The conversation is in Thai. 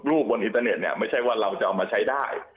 บนอินเตอร์เน็ตเนี่ยไม่ใช่ว่าเราจะเอามาใช้ได้